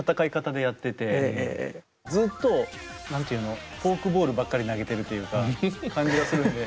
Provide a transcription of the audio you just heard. ずっと何て言うのフォークボールばっかり投げているというか感じがするんで。